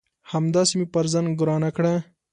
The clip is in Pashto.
همداسي مې پر ځان ګرانه کړه